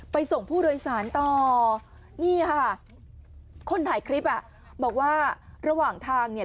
ส่งผู้โดยสารต่อนี่ค่ะคนถ่ายคลิปอ่ะบอกว่าระหว่างทางเนี่ย